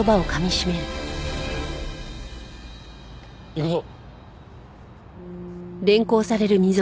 行くぞ。